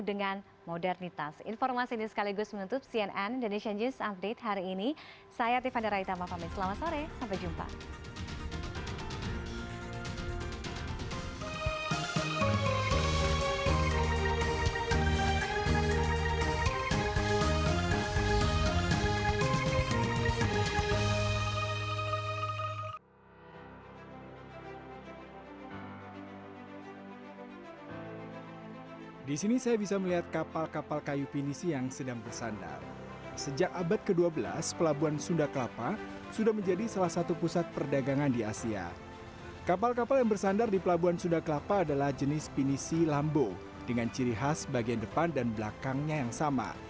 dengan ciri khas bagian depan dan belakangnya yang sama